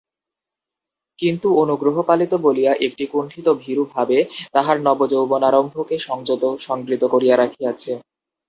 কিন্তু অনুগ্রহপালিত বলিয়া একটি কুণ্ঠিত ভীরু ভাবে তাহার নবযৌবনারম্ভকে সংযত সংবৃত করিয়া রাখিয়াছে।